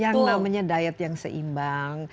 yang namanya diet yang seimbang